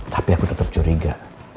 tapi aku tetep curiga